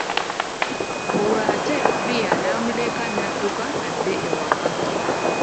Olwo ate bbiya n'amuleka n'adduka adde ewaka.